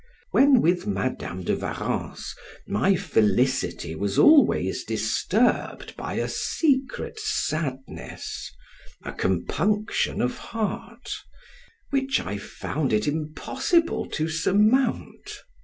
When with Madam de Warrens, my felicity was always disturbed by a secret sadness, a compunction of heart, which I found it impossible to surmount.